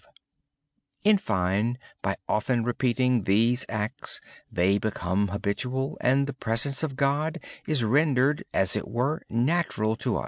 Over time, by often repeating these acts, they become habitual, and the presence of God becomes quite natural to us.